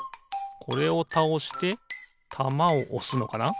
これをたおしてたまをおすのかな。